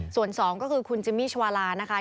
ส่วนสองก็คือคุณจิมมี่ชวาลานะคะ